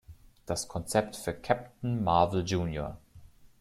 Das Konzept für Captain Marvel Jr.